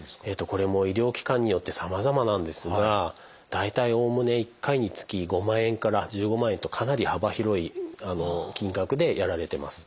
これも医療機関によってさまざまなんですが大体おおむね１回につき５万円から１５万円とかなり幅広い金額でやられてます。